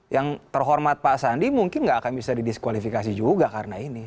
yang terhormat pak sandi mungkin nggak akan bisa didiskualifikasi juga karena ini